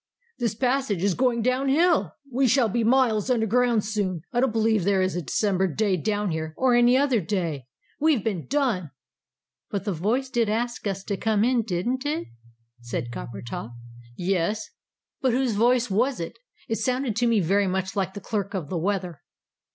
This passage is going down hill! We shall be miles underground, soon. I don't believe there is a December day down here, or any other day. We have been done!" "But the voice did ask us to come in, didn't it?" said Coppertop. "Yes. But whose voice was it? It sounded to me very much like the Clerk of the Weather."